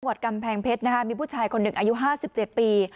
หัวดกำแพงเพชรนะคะมีผู้ชายคนหนึ่งอายุห้าสิบเจ็ดปี